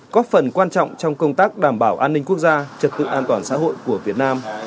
có phần quan trọng trong công tác đảm bảo an ninh quốc gia trật tự an toàn xã hội của việt nam